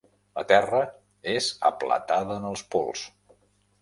La Terra és aplatada en els pols.